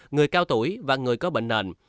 người cao tuổi và người có bệnh nền